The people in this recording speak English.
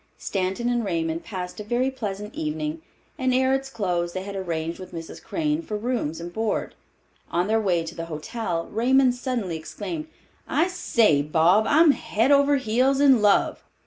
Stanton and Raymond passed a very pleasant evening, and ere its close they had arranged with Mrs. Crane for rooms and board. On their way to the hotel, Raymond suddenly exclaimed, "I say, Bob, I'm head over heels in love!"